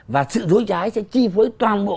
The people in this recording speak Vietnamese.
và sự dối trá ấy sẽ chi phối toàn bộ